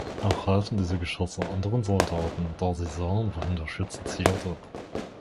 Auch halfen diese Geschosse anderen Soldaten, da sie sahen, wohin der Schütze zielte.